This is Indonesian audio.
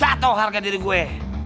gak tau harga diri gue